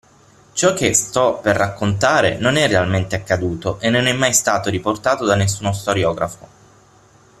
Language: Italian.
Ciò che sto per raccontare non è realmente accaduto e non è mai stato riportato da nessuno storiografo.